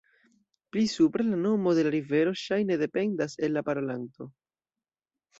Pli supre la nomo de la rivero ŝajne dependas el la parolanto.